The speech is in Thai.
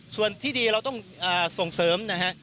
ส่วนที่ดีเราต้องส่งเสริมนะฮะ